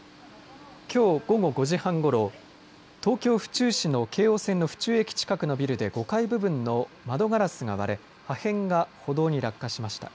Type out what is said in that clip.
きょう午後５時半ごろ東京、府中市の京王線の府中駅近くのビルで５階部分の窓ガラスが割れ破片が歩道に落下しました。